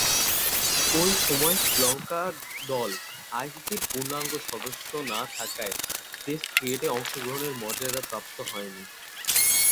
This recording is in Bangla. ঐ সময়ে শ্রীলঙ্কা দল আইসিসি’র পূর্ণাঙ্গ সদস্য না থাকায় টেস্ট ক্রিকেটে অংশগ্রহণের মর্যাদাপ্রাপ্ত হননি।